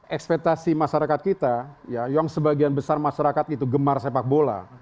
ekspektasi masyarakat kita yang sebagian besar masyarakat itu gemar sepak bola